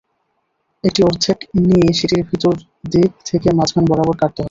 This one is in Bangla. একটি অর্ধেক নিয়ে সেটির ভেতর দিক থেকে মাঝখান বরাবর কাটতে হবে।